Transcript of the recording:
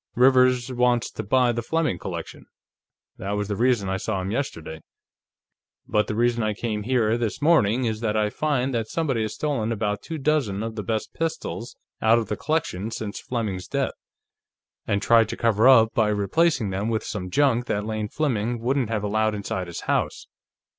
"Rivers wants to buy the Fleming collection. That was the reason I saw him yesterday. But the reason I came here, this morning, is that I find that somebody has stolen about two dozen of the best pistols out of the collection since Fleming's death, and tried to cover up by replacing them with some junk that Lane Fleming wouldn't have allowed inside his house.